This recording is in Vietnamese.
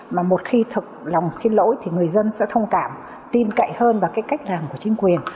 mà một khi thực lòng xin lỗi thì người dân sẽ thông cảm tin cậy hơn vào cái cách làm của chính quyền